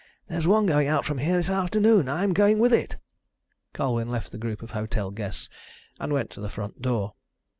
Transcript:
There's one going out from here this afternoon. I'm going with it." Colwyn left the group of hotel guests, and went to the front door.